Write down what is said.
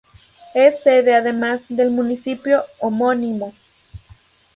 Es sede además, del municipio homónimo.